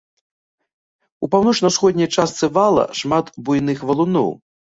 У паўночна-ўсходняй частцы вала шмат буйных валуноў.